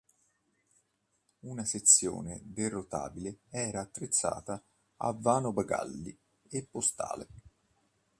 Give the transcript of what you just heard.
Una sezione del rotabile era attrezzata a vano bagagli e postale.